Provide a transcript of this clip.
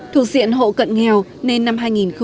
thuộc diện hộ cận nghèo nên năm hai nghìn một mươi bảy